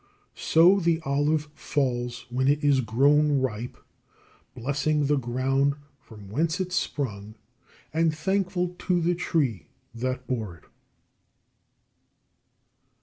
So the olive falls when it is grown ripe, blessing the ground from whence it sprung, and thankful to the tree that bore it.